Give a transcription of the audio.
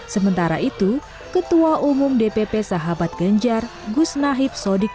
sementara itu ketua umum dpp sahabat ganjar gus nahib sodik